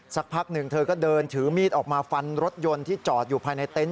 สักพักหนึ่งเธอก็เดินถือมีดออกมาฟันรถยนต์ที่จอดอยู่ภายในเต็นต